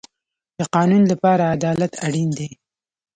د قانون لپاره عدالت اړین دی